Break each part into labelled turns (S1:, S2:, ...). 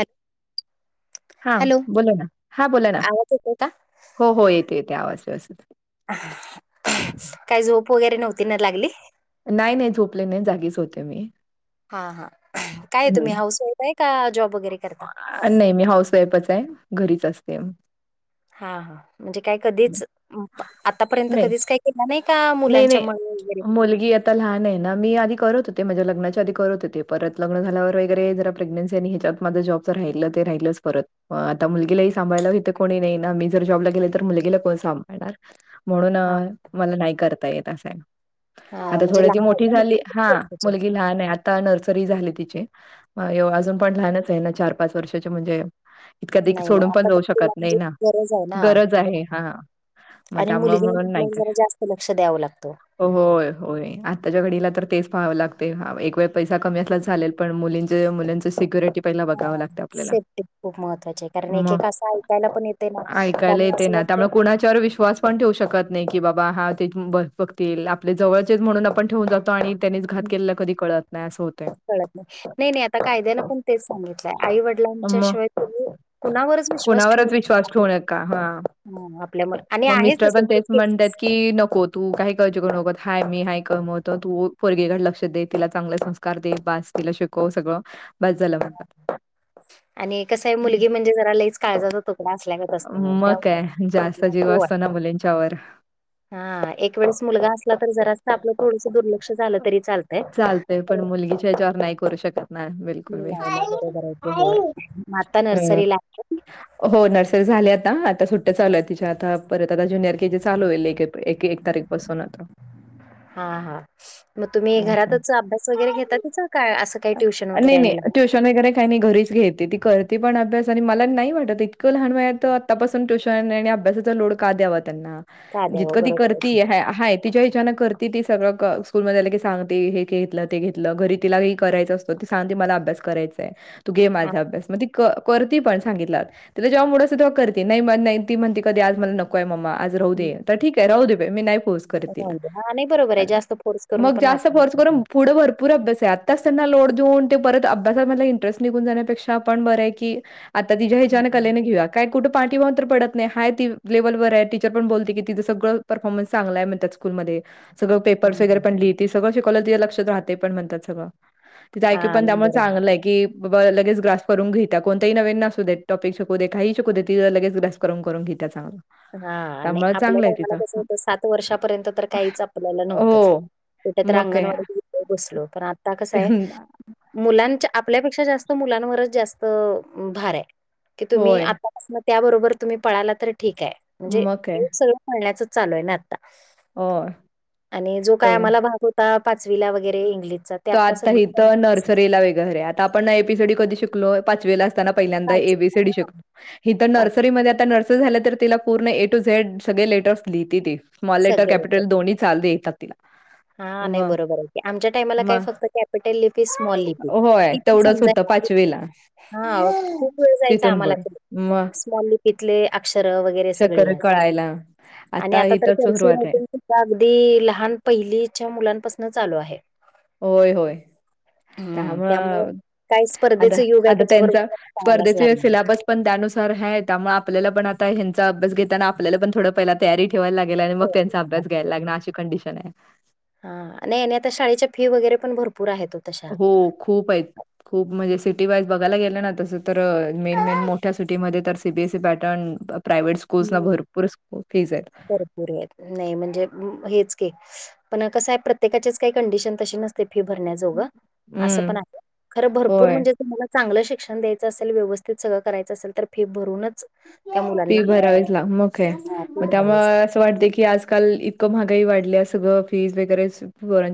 S1: [unintelligible]
S2: हा
S1: हॅलो
S2: बोला ना, हा बोला ना,
S1: आवाज येतोय का?
S2: हो हो येते येते आवाज व्यवस्थित.
S1: काय झोप वगैरे नव्हती ना लागली.
S2: नाही नाही नाही झोपले, जागीच होते मी.
S1: हा हा काय तुम्ही
S2: हं.
S1: हाऊस वाईफ आहे का जॉब वगैरे करता.
S2: अ, नाही मी हाऊसवाईफच आहे घरीच असते.
S1: हा हा म्हणजे काय कधीच आतापर्यंत
S2: नाही,
S1: कधीच काय [inaudible] का
S2: नाही,
S1: मुलांच्या
S2: नाही.
S1: वगैरे
S2: मुलगी आता लाहान आहे ना, मी आधी करत होते माझ्या लग्नाच्या आधी करत होते, परत लग्न झाल्यावर वगैरे जरा प्रेग्नसी आणि ह्याच्यात माझ जॉबच राहिलं ते राहिलच परत. आता मुलगीलाही सांभाळला येथे कोणी नाही ना, मी जर जॉबला गेले तर मुलगीला कोण सांभाळणार? म्हणून
S1: हा
S2: मला नाही करता येत असाय.
S1: हा
S2: आता
S1: म्हणजे
S2: थोडशी
S1: लहान आहे
S2: मोठी
S1: का? मुलगी?
S2: झाली हा
S1: किती वर्षाची आहे?
S2: मुलगी लहान आहे, आता नर्सरी झाली तिची. एव अजून
S1: हम्म.
S2: पण लहानच आहे ना चार पाच वर्षाचे म्हणजे [inaudible]
S1: नाही नाही
S2: सोडून पण
S1: आता तर
S2: जाऊ
S1: तिला
S2: शकत नाही
S1: म्हणजे
S2: ना
S1: गरज आहे ना
S2: गरज आहे हा. मग
S1: आणि
S2: त्यामुळं
S1: मुलगी आहे
S2: म्हणून नाही
S1: म्हटल्यावर जरा
S2: करतं.
S1: जास्त लक्ष द्यावं लागतं.
S2: होय होय आ त्याच्या घडीला तर तेच पाहाव लागते, एक वेळ पैसा कमी असलाच चालेल, पण मुलीं मुंलिची सिक्युरिटी पहिला बघावं
S1: हां
S2: लागतं आपल्याला
S1: सेफ्टी खूप महत्त्वाची आहे कारण एक
S2: मग
S1: एक असं ऐकायला पण येते ना
S2: ऐकायला
S1: त्यामुळे
S2: ते
S1: असं
S2: ना त्यामुळे
S1: वाटतं
S2: कुणाच्यावर विश्वास पण ठेवू शकत नाही, की बाबा हा ते बघतील आपले जवळचेच म्हणून आपण ठेवून जातो आणि त्यांनीच घात केलेला कधी कळत नाही असं होतंय
S1: कळत नाही नाही नाही आता कायद्यानं पण तेच सांगितलंय आई वडिलांच्या
S2: मग
S1: शिवाय तुम्ही कुणावरच विश्वास ठेऊ
S2: कोणावरच विश्वास ठेवू नका हा
S1: आपल्या आणि आहेच तस
S2: म्हणत्यात की नको तू काही काळजी करू नको हाय मी हाय कमवतो तू पोरगीकडे लक्ष दे तिला चांगलं सामं कार दे बास तिला शिकव सगळं- बास झालं म्हणतात
S1: आणि कसं आहे मुलगी म्हणजे जरा लईच काळजाचा तुकडा असल्या गत-
S2: मग काय जास्त जीव असतो ना मुलींच्यावर-
S1: हा एक वेळेस मुलगा असला तर जरास आपलं थोडस दुर्लक्ष झालं तरी चालतय.
S2: होय पण मुलगीच्या ह्याच्यावर नाही करू शकनार.
S1: नाही नाही बरोबर आहे ते होय मग आता नर्सरिला
S2: हो नर्सरी झाली आता आता सुट्ट्या चालू आहेत तिच्या आता परत आता ज्युनियर के जी चालू होईल एक एप्रिल एक तारीख- पसून आता-
S1: हा हा मग तुम्ही
S2: हं,
S1: घरातच
S2: हं.
S1: अभ्यास वगैरे घेतात- तिच काय असं काही ट्युशन वगैरे
S2: नाही नाही
S1: आणि [unintelligible]
S2: ट्युशन वगैरे काही नाही घरीच घेते ती करते पण अभ्यास आणि मला नाही वाटत इतकं लहान वयात- आता पासून ट्युशन आणि अभ्यासाचा लोड का द्यावा त्यांना
S1: लावता? द्यावं
S2: जितकं ती
S1: बरोबर आहे.
S2: करतीये हाय तिच्या हिच्यान करती ती सगळं स्कूल मध्ये आला की सांगते हे घेतलं ते घेतलं घरी तिला- करायचा असतो ती सांगते मला अभ्यास करायचाय तू घे
S1: हां.
S2: माझा अभ्यास मग ती क करती पण सांगितल्या वर तिला जेव्हा मूड असेल तेव्हा करती नाही ती म्हणते कधी आज मला न नकोय मम्मा आज राहूदे तर ठीक आहे राहू दे बाई मी नाही फोर्स करत तिला-
S1: राहू दे. हा नाही बरोबर आहे जास्त फोर्स करून
S2: मग
S1: पण
S2: जास्त
S1: आपण
S2: फोर्स करून पुढं भरपूर अभ्यास यात- तस ना लोड देऊन ते परत अभ्यासामधला इंटरेस्ट निघून जाण्यापेक्षा आपण बरं आहे की आता तिच्या
S1: हं,
S2: ह्याच्यान कलेन घेऊया- काय कुठं पाठीवान तर पडत नाही ती लेवलवर आहे टीचर पण बोलते की तिचं सगळं परफॉर्मन्स चांगल आहे म्हणत्यातच- स्कूल मध्ये सगळं पेपर्स
S1: हं,
S2: वगैरे
S1: हं.
S2: पण लिहिती सगळं शिकवलेलं तिच्या लकशात राहते पण म्हणतात सगळं- तिचा
S1: हा
S2: आयक्यू पण
S1: नाही
S2: त्यामुळे
S1: बरोबर.
S2: चागलंय. कि बाबा लगेच ग्रास करून घेत्या कोणतही नवीन असू देेत टॉपिक शकू दे काही शकू दे ती लगेच ग्रास करून करून घीत्या चांगलं.
S1: हा आणि
S2: त्यामुळे
S1: आपल्या
S2: चांगलं आहे
S1: टाइमाला
S2: तिचं.
S1: कसं होत सात वर्षापर्यंत तर काहीच आपल्याला नव्हतंच.
S2: हो,
S1: कुट तर
S2: मग काय.
S1: अंगणवाडी बसलो पण आता कसं आहे. मुलांच्या आपल्यापेक्षा जास्त मुलांवरच जास्त भार आहे की तुम्ही
S2: होय.
S1: आता [inaudible] त्याबरोबर तुम्ही पळाला तर ठीक आहे म्हणजे
S2: मग काय
S1: जग सगळं पळण्याचच चालू आहे ना आता-
S2: हो
S1: आणि जो काय
S2: तेवढं
S1: आम्हाला भाग होता पाचवीला वगैरे इंग्लिशचा ते
S2: तो आता इथ
S1: सगळं
S2: नर्सरीला वेगर आहे आता आपण एबीसीडी कधी शिकलो पाचवीला अस ताना पहिल्यांदा ऐ बी सी डी शिकलो. हित नर्सरीमध्ये आता नर्सरी झाल्या तर तिला पूर्ण ए टू झेड सगळे लेटर्स लिहिते ती स्मॉल लेटर
S1: सगळे
S2: कॅपिटल दोन्ही चाल येतात तिला
S1: हा नाही
S2: मग
S1: बरोबर आहे. आमच्या टाईमाला काय
S2: मग
S1: फक्त कॅपिटल लिपी स्मॉल लिपी
S2: होय
S1: ती पण
S2: तेवढंच होतं
S1: समजाय
S2: पाचवीला
S1: हा खूप वेळ जायचा
S2: तिथून
S1: आम्हाला
S2: पुढे
S1: तरी
S2: मग
S1: स्मॉल लिपीतले अक्षर वगैरे वगैरे सगळ
S2: चक्कर
S1: अस
S2: कळायला
S1: आणि आता तर
S2: इथं
S1: करस्यु
S2: सुरुवात आहे
S1: [inaudible] अगदी लहान पहिलीच्या मुलांपासन चालू आहे.
S2: होय होय
S1: [unintelligible]
S2: त्यामुळे
S1: काय
S2: आता
S1: स्पर्धेचं युग आहे
S2: आता
S1: त्याच्याबरोबर
S2: त्यांचा
S1: त्यांना पाळायलाच
S2: स्पर्धेच्या वेळेस
S1: लागणार.
S2: सिल्याबस पण त्यानुसार हाय त्यामुळे आपल्याला पण आता ह्यांचा अभ्यास घेताना आपल्याला पण थोडं पहिला तयारी- ठेवायला लागेल आणि मग
S1: हो.
S2: त्यांचा अभ्यास घ्यायला लागणार अशी कंडिशन आहे.
S1: हा नाही नाही आता शाळेच्या फी वगैरे पण भरपूर आहेत ओ तशा
S2: हो खुप आहेत. खूप म्हणजे सिटी वाईज बघायला गेलं ना तसं तर मेन मेन मोठ्या सिटीमध्ये तर C B S C pattern private schools ला
S1: हं.
S2: भरपूर फीज आहेत.
S1: भरपूर नाही म्हणजे हेच की पण कसं आहे प्रत्येकाच्याच काही कंडिशन तशी नस फी भरण्याजोग असं
S2: हम्म
S1: पण आहे, खर भरपूर
S2: होय.
S1: म्हणजे तुम्हाला चांगलं शिक्षण द्यायंच असेल व्यवस्थित सगळं करायचं असेल तर फी भरूनच त्या मुलांना
S2: फी भरावेच ला मग काय
S1: अ, फी
S2: मग त्यामुळ
S1: भरावीच लागते.
S2: असं वाटत की आज काल इतकं महागाई वाढल्या सगळं फीज वगैरे-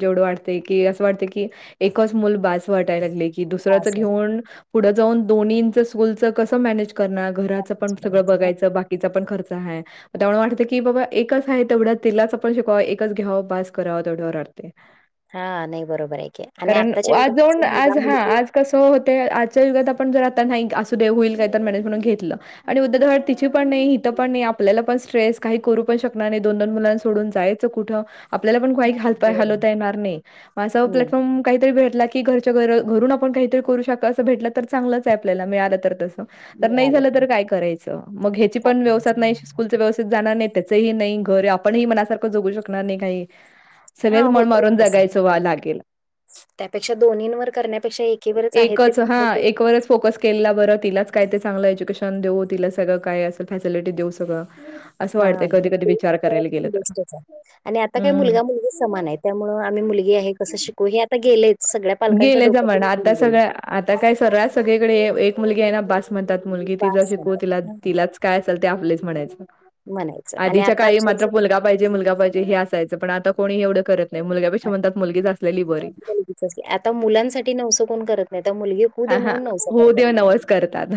S2: जेवढं वाटते की असं वाटते की एकच मुल बास वाटाय लागलंय. की दुसऱ्याच
S1: बास आहे
S2: घेऊन पुढे जाऊन दोन्हींचं स्कूलच कस मॅनेज करणार घराच पण सगळं
S1: आजपर्यंत.
S2: बघायचं बाकीचा पण खर्च आहे. त्यामुळे वाटतं की बाबा एकच आहे तेवढ्या तिलाच आपण शिकवा एकच घ्याव बास कराव तेवढ्यावर
S1: हा नाही बरोबर आहे की आणि
S2: कारण
S1: आत्ताच्या
S2: आज जाऊन
S1: युगात
S2: आज
S1: मुलगा
S2: हा
S1: मुलगी
S2: आज कसं होतेय आजच्या युगात आपण जर आता नाही असू दे होईल काही तर मॅनेज म्हणून घेतलं. आणि उद्या धड तिची पण नाही इथं पण नाही आपल्याला पण स्ट्रेस काही करू पण शकणार नाही दोन दोन मुलां सोडून जायचं कुठं आपल्याला पण काही हात पाय
S1: बरोबर आहे.
S2: हलवता येणार नाही म असा
S1: नाही
S2: प्लॅटफॉर्म कुठं काहीतरी भेटला की घरच्या घर घरून आपण काहीतरी करू शक असं भेटला तर चांगलंच आहे आपल्याला मिळालं तर तसं तर नाही
S1: मिळालं
S2: झालं
S1: तर
S2: काय करायचं मग ह्याची पण व्यवस्था
S1: थांबायचं
S2: नाही
S1: बरोबर.
S2: स्कूलची व्यवस्थ जाणार नाही त्याचही नाही घर आपणही मनासारखं जगू शकणार नाही काही सगळेच
S1: हां,
S2: मळ
S1: होतंय
S2: मारून
S1: तसं.
S2: जगायचं व्हा लागेल.
S1: त्यापेक्षा दोन्हींवर करण्यापेक्षा एकीवरच आहे ते
S2: एकच हा एकवरच फोकस केलेला बरं तिलाच काय ते चांगलं एज्युकेशन देऊन तिला सगळं काय अस फॅसिलिटी देऊ सगळं असं
S1: हा
S2: वाटतंय कधी कधी
S1: ते
S2: विचार करायला गेलं
S1: तर
S2: तर
S1: बेस्टच आहे आणि आता काय
S2: हम्म
S1: मुलगा मुलगी समान आहेत. त्यामुळं आम्ही मुलगी आहे कसं शिकवु हे आता गेलेच सगळ्या पालकांच्या
S2: गेले
S1: डोक्यात
S2: जमाना आता
S1: निऊन गेले.
S2: सगळ्या आता काय सरळास सगळीकडे एक मुलगी आहे ना बास म्हणतात मुलगी तिला
S1: बास
S2: शिकवू
S1: म्हणतात
S2: तिला
S1: हां
S2: तिलाच काय असेल ते आपलेच म्हणायचं.
S1: म्हणायचं आणि
S2: आधीच्या
S1: आता
S2: काळी मात्र
S1: अक्षरशः
S2: मुलगा पाहिजे मुलगा पाहिजे हे असायचं पण आता कोणी एवढं करत नाही मुलगा पेक्षा म्हणतात मुलगीच असलेली बरी
S1: मुलगीच आता मुलांसाठी नवस कोण करत नाही आतख मुलगी होऊ दे
S2: हा हा
S1: म्हणून
S2: होऊ दे नवस करतात.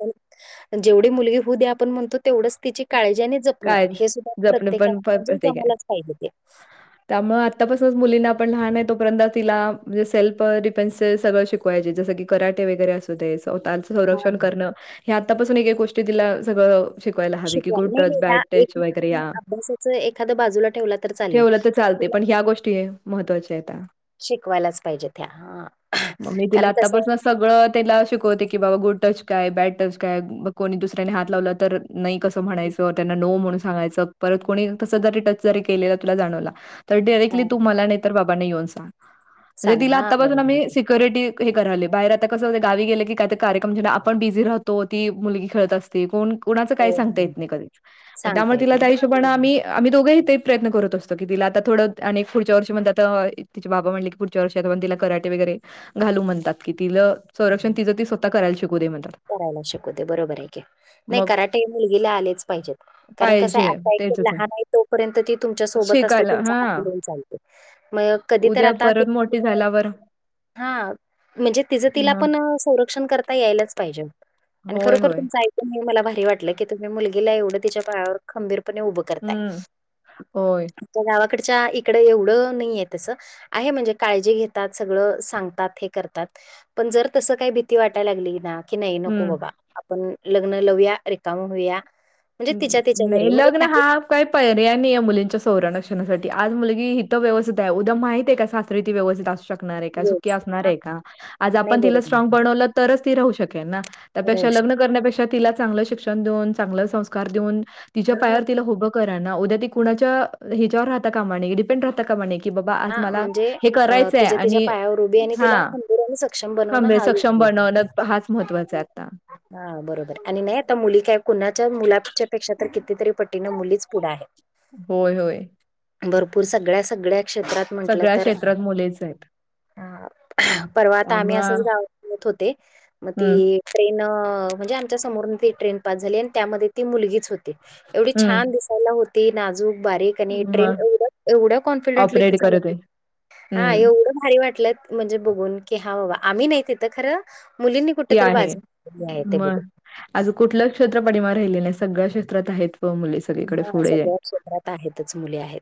S1: पण जेवढी मुलगी होऊ द्या आपण म्हणतो तेवढच तिची काळजी आणि जपणुक
S2: काय
S1: हे सुद्धा
S2: जपण
S1: प्रत्येकाच्या
S2: पण
S1: म्हणजे जमायलाच पाहिजे ते-
S2: त्यामुळ आत्तापासूनच मुलींना आपण लहान आहे तोपर्यंत तिला म्हणजे सेल्फ डिफेन्स सगळं शिक वायचे जसं की कराटे वगैरे असू दे स्वतःच
S1: हां
S2: संक्षण करण हे आतापासून एक एक गोष्टी तिला सगळं शिकवायला हवे की ग
S1: शिकवा
S2: गुड
S1: नाही
S2: टच
S1: नाही ह्या
S2: बॅट टच
S1: एक
S2: वगैरे या
S1: अभ्यासाचं एखादं बाजूला ठेवला तर चालेल.
S2: ठेवलं तर चालते पण ह्या गोष्टी ये महत्वाच्या आहेत.
S1: शिकवायलाच पाहिजेत ह्या
S2: मग मी तिला
S1: कारण कसये
S2: आत्तापासून सगळं त्याला शिकवते की बाबा गुड टच काय बॅड टच काय कोणी दुसऱ्याने हात लावला तर नाही कसं
S1: आहे
S2: म्हणायचं त्यांना नो म्हणून सांगायचं परत कोणी कस जरी टच जरी केलेलं तुला जाणवला तर डिरेक्टली
S1: हां.
S2: तू मला नाही तर बाबा येऊन सांग म्हणजे
S1: सांग
S2: तिला
S1: हां,
S2: आतापासून
S1: बरोबर.
S2: आम्ही सी सिक्युरिटी हे करायले बाहेर आता कस होते गावी गेले की काय तर कार्यक्रम तेन आपण बिझी राहतो ती मुलगी खेळत अस ते कोण कोणाच काही
S1: हो,
S2: सांगता
S1: हो.
S2: येत कधी म
S1: सांगता
S2: त्यामुळे
S1: येत
S2: तिला
S1: नाही.
S2: त्या दिवशी
S1: हां, बरोबर.
S2: आम्ही आम्ही दोघंही ते प्रयत्न करत असतो की, तिला आता थोडं आणि एक पुढच्या वर्षी म्हण आ. तिचे बाबा म्हणले की, पुढच्या वर्षताण तला कराे वगैरे घालू म्हणतात की, तिला. संरक्षण तिचं ती स्वतः करायला शिकू दे म्हणतात.
S1: करायला शिकू दे बरोबर आहे की, नाही
S2: मग
S1: कराटे मुलगीला आलेच पाहिजेत. कारण कसं
S2: पाहिजे
S1: आता एक
S2: तेचच
S1: लहान आहे तोपर्यंत ती तुमच्या सोबत असते
S2: शिकायला
S1: तुमचा
S2: हा
S1: हात धरून चालेल. मग कधी तर
S2: उद्या
S1: आता.
S2: परत मोठी झाल्यावर
S1: हा, म्हणजे तिज तिला
S2: मग
S1: पण संरक्षण करता यायलाच पाहिजे आणि
S2: होय
S1: खरोखर
S2: होय
S1: तुमचा ऐकू''--'' तुही मला भारी वाटलं की, तुम्ही मुलगीला एवढं तिच्या पायावर खंबीरपणे उभ.
S2: हम्म
S1: करताय
S2: होय
S1: गावाकडच्या इकड एवढं नाहीय तस. आहे म्हणजे काळजी घेतात सगळं सांगतात हे करतात. पण जर तसं काही भीती वाटाय लागली ना. कि नाही नको
S2: हम्म.
S1: बाबा आपण लग्न लावया रिकाम होऊया. म्हणजे
S2: ह्
S1: तिच्या तिच्या
S2: नाही
S1: घरी म्हणजे
S2: लग्न
S1: काही
S2: हा, काय पर्याय नाही आहे मुलींच्या संरणरक्षणासाठी आज मुलगी हित व्यवस्थित आहे उद्या माहती आहे का सास ''--'' री ती व्यस्थित असू शकते. नार का
S1: वेळ
S2: सुखी असणार
S1: सुद्धा
S2: आज
S1: नाही
S2: आपण तिला
S1: बरोबर
S2: स्ट्रॉग बनवल तरच ती राहू शकेल ना.
S1: राहू
S2: त्यापेक्षा लग्न करण्यापेक्षा तिला चांगलं शिक्षण देऊन चांगलं संस्कार देऊन तिच्या
S1: शकतो.
S2: पायावर तिला उभ. करा ना उद्या ती कुणाच्या ह्याच्यावर राहता कामा डिपेंड राहता कामाने. कि बाबा आज
S1: हां,
S2: मला
S1: म्हणजे
S2: हे
S1: अ,
S2: करायचंय
S1: तिच्या तिच्या
S2: आणि
S1: पायावर उभी आणि
S2: हा
S1: तिला खंबीर आणि सक्षम बनवणं
S2: खरे
S1: हा
S2: सक्षम बनव. हाच महत्वाचा आहे आता.
S1: हा, बरोबर हाय आणि नाही आता मुली काय कुणाच्या मुलाच्या पेक्षा तर कितीतरी. पटींन मुलीच पुढं आहे.
S2: होय होय.
S1: भरपूर सगळ्या सगळ्या क्षेत्रात. म्हटलं
S2: सगळ्या
S1: तर
S2: क्षेत्रात मुलीच आहेत.
S1: हा परवा आता आम्ही असंच
S2: त्यामुळं
S1: गावातत होते मग
S2: हं.
S1: ती. ट्रेन म्हणजे आमच्या समोर त ट्रेन पास झाली आणि त्यामध्ये ती मुलगीच होती एवढी
S2: हं.
S1: छान दि''--'' सायला होती नाजूक बारीक आणि. ट्रेन
S2: मग
S1: एवढ एवढ्या कॉन्फिडेंटलीथ ती
S2: ऑपरेट
S1: चालव
S2: करत
S1: होती
S2: आहे.
S1: हा
S2: हं.
S1: एवढ भारी वाटलं. म्हणजे बघून की हा, बाबा आम्ही नाही तिथं खरं मुलींनी कुठ तरी बाजी केलेली आहे ते ब.
S2: आज कुठलं क्षेत्र पाठीमागं राहिले नाही सगळ्या क्षेत्रात आहेत व मुलीच. सगळीकडे
S1: हा
S2: पुढे
S1: सगळ्या क्षेत्रात आहेतच मुली आहेत.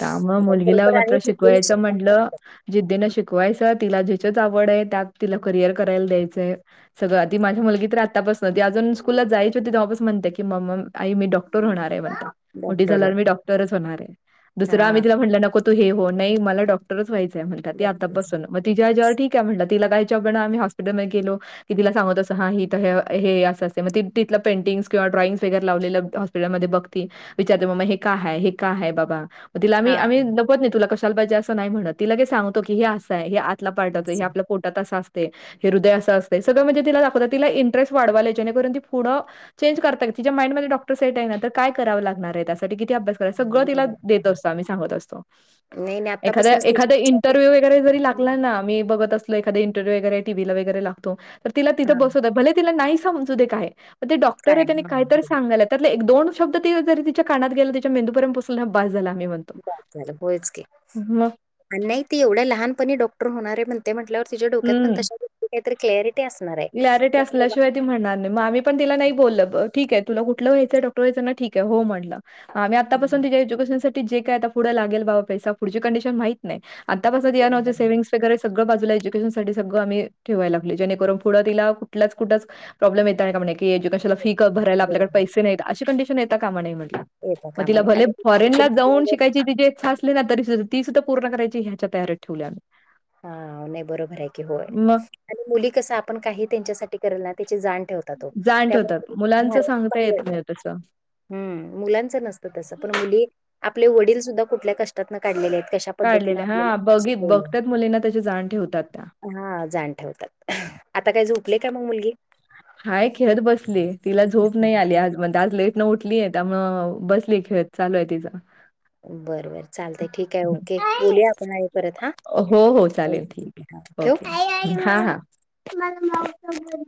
S2: त्या मुळे मुलगीला
S1: खरोखर
S2: मात्र
S1: आणि जिद्दीने
S2: शिकवायचं
S1: शिकतात
S2: म्हटलं. जिद्दीनं शिकवायचं तिला ज्याचीच आवड आहे त्यात तिला करियर करायला द्यायचंय. सगळं आधी माझी मुलगी तर आता पासून. च ती अजून स्कूलला जायची होती तेव्हा पासून म्हणते की, मामा आई मी डॉक्टर होणार आहे. मोठी
S1: डॉक्टर
S2: झाल्यावर मी डॉक्टरच होणार आहे दुसर
S1: हा
S2: आम्ही तिला म्हटल नको. तू हे हो नाही मला डॉक्टरच व्हायंय म्हणतात ते आता
S1: डॉक्टर
S2: पासून. तिच्यावर ठीक आहे म्हलं तिलायच्याघण आम् हॉस्पिटलमध्ये गलो. कि ति सांगत असते मग तिथलं पेंटिंग किंवा ड्रॉइंग् वगैरे लावले. ळ मधी बघते विचारते मम्मा हे काय हाय हे काय हाय बाबा. तिला मी
S1: हा
S2: आम्ही लपत नाही तुला कशाला पाहिजे असं नाही म्हणत तिला का सांगतो की. हे असं आहे हे आतला पाठवतं हे
S1: असं
S2: आपलं. पोटात अस असतय हे हृदय असं असते सगळं तिला दाखवत तिला इंटरेस्ट वाढवाय जेणेकरून ती पुढं. चेंज करतय का तिच्या माइंडमध्ये डॉक्टर सेट आहे ना तर काय करावं लागणार आहे त्यासाठी किती अभ्यास. तर सगळ
S1: बरोबर
S2: तिला देत असतो आम्ही सांगत असतो.
S1: नाही नाही
S2: एखाद्या
S1: आत्तापासूनच त्याची
S2: एखाद्या इंटरव्ह्यू वगैरे जरी लागला ना. मी बघत असलेला एखादा इंटरव्हू वगैरे, टीव्हीला वगैरे लागतो तर तिला तिथ
S1: हां,
S2: बसवतो, भले- तिला नाही समझु दे काय, पण ते डॉक्टर आहे त्यांनी काय तरी सांगायल्यात. त्यात एक दोन शब्द तिला जर तिच्या कानात गेला तिच्या मेंदू मेंदूपर्यंत पोचला ना बस झाला आम् म्हण-
S1: बास झालं होयच की. आणि नाही ती एवढ्या लहानपणी डॉक्. डॉक्टर होणार आहे म्हणते म्हटल्यावर तिच्या डोक्यात पण
S2: हम्म.
S1: तशा दृष्टीने काहीतरी क्लियारीटी असणार आहे.
S2: क्लॅरिटी असल्याशिवाय ती म्हणार नाही आ्ही पण तिला नाही बोललं ठीक आहे तुला कुठलं व्हायंय डॉक्टर व्हायच ना ठीक आहे. हो म्हटलं. आम्ही आतापासून
S1: हं,
S2: तिच्या एज्युकेशनसाठी जे काय आता पुढं लागेल बाबा पैसा पुढची कंडिशन माहित- नाही आतापासूनय तिच्या नावाचे सेविंग्ज वगैरे सगळ बाजूला एज्युकेशन साठी सगळं आम्ही ठेवायला लागलोये जणेकरून. पुढं तिला कुठल्याच कुठेच प्रॉब्मेम येता कामा नाही की एज्युकेशनला फी क भरायला आपल्याकडे
S1: बरोबर
S2: पैसे- नाहीत अशी कंडिशन येता कामा नाही म्हटलं.
S1: येता
S2: मग
S1: कामा
S2: तिला
S1: नये
S2: भले
S1: आणि
S2: फॉरेनला
S1: तिथून
S2: जाऊन
S1: आल्यावर
S2: शिकायचं - तिची इच्छा असली ना, तरी ती सुद्धा ती सुद्धा पूर्ण करायची ह्यांच्या तयारी ठेवली आहे आम्ही.
S1: हा नाही बरोबर आहे की होय.
S2: मग
S1: आणि मुली कस आपण काही त्यांच्यासाठी करेल ना त्याची जाण- ठेवतात हो
S2: जाण ठेवतात मुलांच
S1: त्यामुळे
S2: सांगता येत नाही तसं
S1: [unintelligible] हम् मुलांच नसत तस पण मुली आपले वडील सुद्धा कुठल्या कष्- ष्टाने काढलेले आहेत कश्या पद्धतीने
S2: काढलेल्या
S1: आपल्याला
S2: हा बघी
S1: शिकवलेले आहे.
S2: बघतात मुलींना त्याची जाण ठेवतात त्या.
S1: हा जाण ठेवतात. आता काय झोपले का मग मुलगी?
S2: हाय खेळत बसली, तिला झोप नाही आली आज म्हणजे आज लेट- न उठलीय त्यामुळ बसलीये खेळत त्यामुळे चालू आहे तिचा.
S1: बरं बरं चालतय, ठीक आहे, ओके.
S2: हं.
S1: बोलुया आपण आणी परत हा.
S2: हो हो चालेल ठीक आहे ओके हां हा.